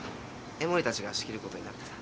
江森たちが仕切ることになってさ。